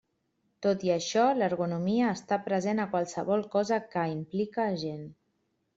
Tot i això, l'ergonomia està present a qualsevol cosa que implica a gent.